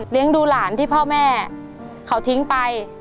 ดูหลานที่พ่อแม่เขาทิ้งไป